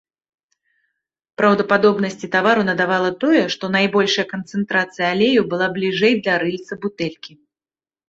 Праўдападобнасці тавару надавала тое, што найбольшая канцэнтрацыя алею была бліжэй да рыльца бутэлькі.